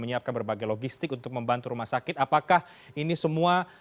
menyiapkan berbagai logistik untuk membantu rumah sakit apakah ini semua